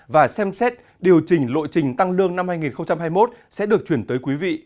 và xem xét điều chỉnh lộ trình tăng lương năm hai nghìn hai mươi một sẽ được chuyển tới quý vị